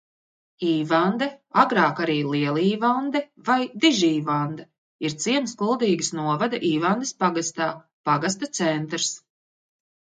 Īvande, agrāk arī Lielīvande vai Dižīvande, ir ciems Kuldīgas novada Īvandes pagastā, pagasta centrs.